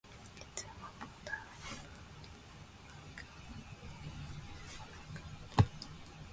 It is the hometown of pro-wrestler Mark Hildreth and politician Scott Taylor.